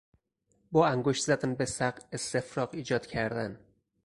با انگشت زدن به سق استفراغ ایجاد کردن